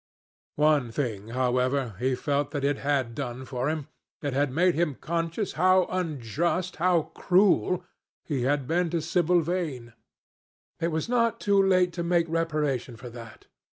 One thing, however, he felt that it had done for him. It had made him conscious how unjust, how cruel, he had been to Sibyl Vane. It was not too late to make reparation for that.